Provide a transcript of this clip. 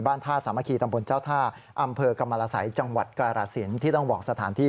ท่าสามัคคีตำบลเจ้าท่าอำเภอกรรมรสัยจังหวัดกรสินที่ต้องบอกสถานที่